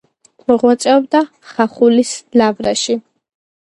მოღვაწეობდა ხახულის ლავრაში.